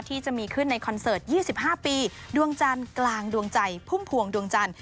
ที่จะมีขึ้นในคอนเสิร์ต๒๕ปีดวงจันทร์กลางดวงใจพุ่มพวงดวงจันทร์